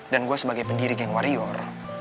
dan gue sebagai pendiri geng warior